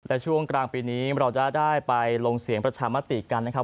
และช่วงกลางปีนี้เราจะได้ไปลงเสียงประชามติกันนะครับ